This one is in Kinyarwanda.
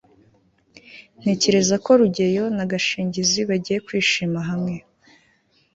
ntekereza ko rugeyo na gashinzi bagiye kwishima hamwe